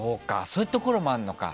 そういうところもあるのか。